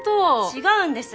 違うんです。